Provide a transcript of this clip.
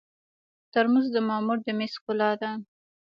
ترموز د مامور د مېز ښکلا ده.